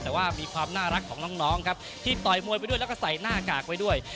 แต่ว่ามีความน่ารักของน้องครับที่ต่อยมวยไปด้วยแล้วก็ใส่หน้ากากไว้ด้วย